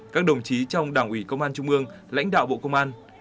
các đồng chí trong đảng ủy công an trung ương lãnh đạo bộ công an